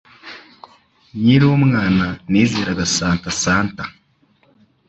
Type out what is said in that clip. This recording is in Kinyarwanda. Nkiri umwana, nizeraga Santa Santa.